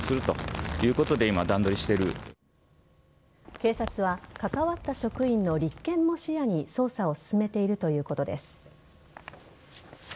警察は関わった職員の立件も視野に捜査を進めているということです。